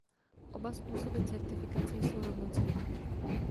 Oba způsoby certifikace jsou rovnocenné.